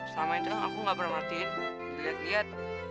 selama itu aku gak beramatin dilihat lihat